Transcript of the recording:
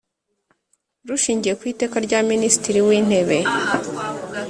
Rushingiye ku Iteka rya Minisitiri w Intebe